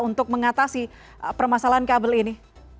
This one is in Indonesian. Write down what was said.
untuk mengatasi permasalahan kabel ini